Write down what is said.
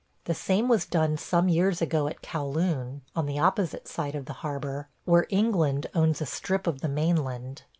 The same was done some years ago at Kow Loon, on the opposite side of the harbor, where England owns a strip of the mainland.